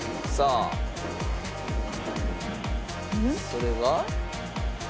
それが？